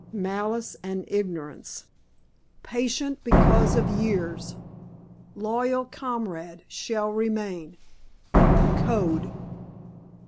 _"Malice and ignorance." "Patient because of years." "Loyal comrade. Shall remain." "Code."